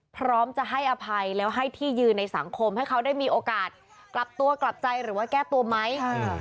พร้อมจะให้อภัยแล้วให้ที่ยืนในสังคมให้เขาได้มีโอกาสกลับตัวกลับใจหรือว่าแก้ตัวไหม